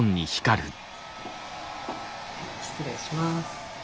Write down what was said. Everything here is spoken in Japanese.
失礼します。